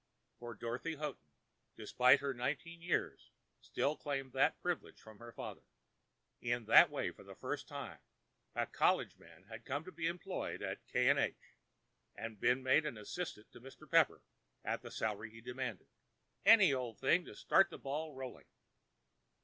For Dorothy Houghton, despite her nineteen years, still claimed that privilege from her father. In that way, for the first time, a college man had come into the employ of K. & H., and been made the assistant of Mr. Pepper at the salary he demanded—"any old thing to start the ball rolling."